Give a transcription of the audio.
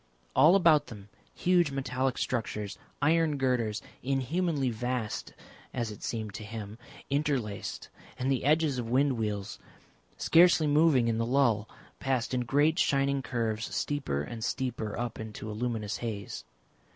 All about them, huge metallic structures, iron girders, inhumanly vast as it seemed to him, interlaced, and the edges of wind wheels, scarcely moving in the lull, passed in great shining curves steeper and steeper up into a luminous haze.